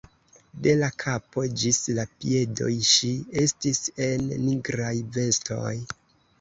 De la kapo ĝis la piedoj ŝi estis en nigraj vestoj.